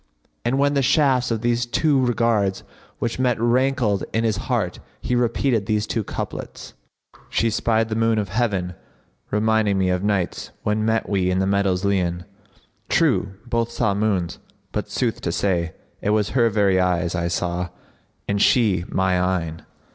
And when the shafts of the two regards which met rankled in his heart, he repeated these two couplets, "She 'spied the moon of Heaven, reminding me * Of nights when met we in the meadows li'en: True, both saw moons, but sooth to say, it was * Her very eyes I saw, and she my eyne."